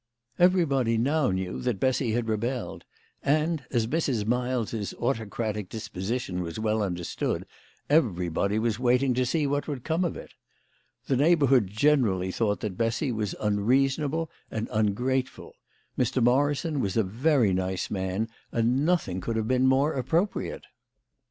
Everybody now knew that Bessy had rebelled; and, as Mrs. Miles's autocratic disposition was well understood, everybody was wait ing to see what would come of it. The neighbourhood generally thought that Bessy was unreasonable and ungrateful. Mr. Morrison was a very nice man, and nothing could have been more appropriate.